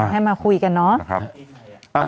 ให้มาคุยกันเนาะ